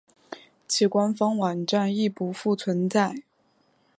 其官方网站亦不复存在。